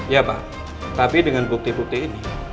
ya pak tapi dengan bukti bukti ini